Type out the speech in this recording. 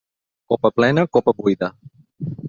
Copa plena, copa buida.